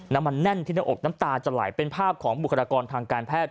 นั่นมันแน่นที่หน้าอกน้ำตาจะไหลเป็นภาพของบุคลากรทางการแพทย์